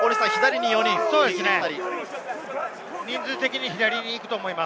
人数的に左に行くと思います。